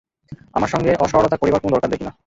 আমার সঙ্গে অসরলতা করিবার কোনো দরকার দেখি না।